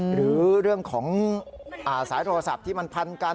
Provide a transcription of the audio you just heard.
หรือเรื่องของสายโทรศัพท์ที่มันพันกัน